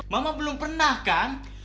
mama belum pernah kan